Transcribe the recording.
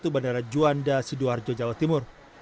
bandara juanda sidoarjo jawa timur